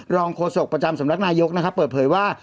รองโฆษกประจำสำนักนายกเปิดเผยว่า